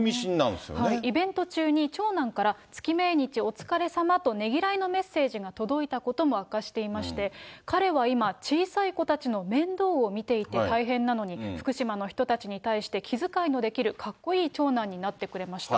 イベント中に長男から月命日お疲れさまと、ねぎらいのメッセージが届いたことも明かしていまして、彼は今、小さい子たちの面倒を見ていて大変なのに、福島の人たちに対して、気遣いのできる格好いい長男になってくれました。